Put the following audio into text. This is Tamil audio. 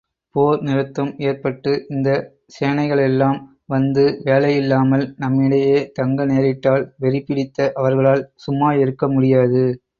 போர் நிறுத்தம் ஏற்பட்டு, இந்தச் சேனைகளெல்லாம் வந்து வேலையில்லாமல் நம்மிடையே தங்கநேரிட்டால் வெறிபிடித்த அவர்களால் சும்மாயிருக்க முடியாது.